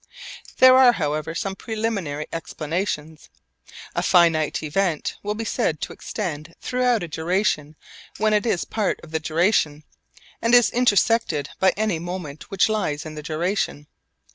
There are however some preliminary explanations. A finite event will be said to extend throughout a duration when it is part of the duration and is intersected by any moment which lies in the duration.